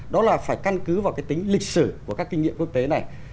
đó là phải căn cứ vào cái tính lịch sử của các kinh nghiệm quốc tế này